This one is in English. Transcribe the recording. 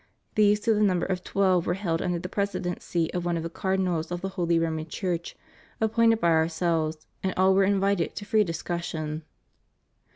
These to the number of twelve were held under the presidency of one of the Car dinals of the Holy Roman Chiu ch, appointed by Our selves, and all were invited to free discussion.